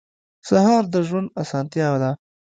سهار د ژوند اسانتیا ده.